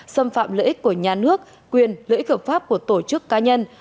xâm phạm lợi ích của nhà nước quyền lợi ích hợp pháp của tổ chức cá nhân